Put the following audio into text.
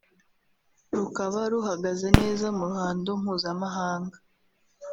rukaba ruhagaze neza mu ruhando mpuzamahanga